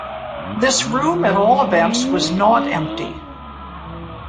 This room, at all events, was not empty.